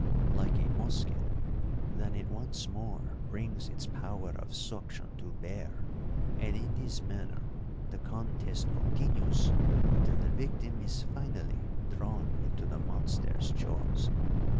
"Like a musket, than it once more brings its power of suction to bear; and in this manner the contest continues until the victim is finally drawn into the monster's jaws.